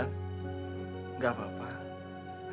intan gak apa apa